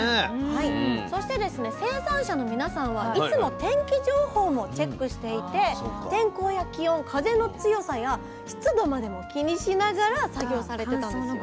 そしてですね生産者の皆さんはいつも天気情報もチェックしていて天候や気温風の強さや湿度までも気にしながら作業されてたんですよ。